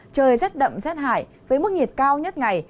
trời rất đậm rất hại với mức nhiệt cao nhất ngày